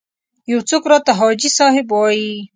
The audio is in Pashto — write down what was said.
یو څوک راته حاجي صاحب وایي.